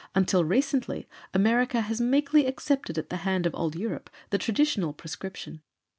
Until recently America has meekly accepted at the hand of Old Europe the traditional prescription.